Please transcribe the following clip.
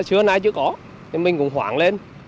chưa nào chưa có thì mình cũng hoảng lên